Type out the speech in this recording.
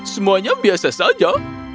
semuanya biasa saja